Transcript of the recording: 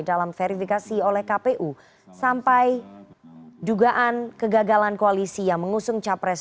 dalam verifikasi oleh kpu sampai dugaan kegagalan koalisi yang mengusung capres